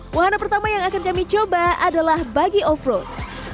wahana pertama yang akan kami coba adalah bagi off road